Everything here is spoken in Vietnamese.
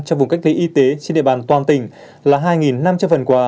cho vùng cách ly y tế trên địa bàn toàn tỉnh là hai năm trăm linh phần quà